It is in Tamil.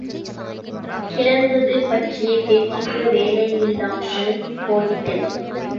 கிழிந்தது பற்றிய பேச்சுக்கு வேலையில்லாமல் போய்விட்டது.